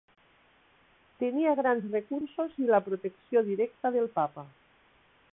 Tenia grans recursos i la protecció directa del Papa.